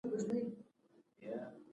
ولله که مې اوغانۍ لا گټلې وي.